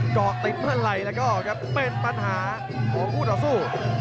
เกาะติดเมื่อไหร่แล้วก็ครับเป็นปัญหาของคู่ต่อสู้